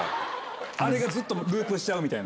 あれがずっとループしちゃうみたいな。